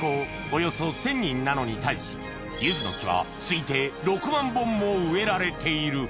およそ１０００人なのに対しゆずの木は推定６万本も植えられている